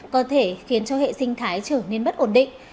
có thể khiến cho hệ sinh thái trở nên bất ổn định